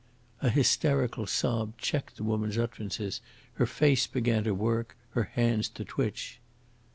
An hysterical sob checked the woman's utterances, her face began to work, her hands to twitch.